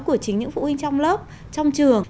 của chính những phụ huynh trong lớp trong trường